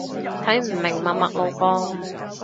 睇唔明，默默路過